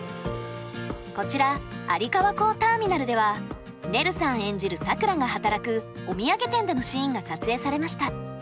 こちら有川港ターミナルではねるさん演じるさくらが働くお土産店でのシーンが撮影されました。